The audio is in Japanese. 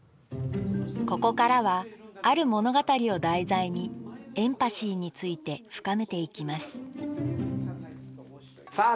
ここからはある物語を題材にエンパシーについて深めていきますさあ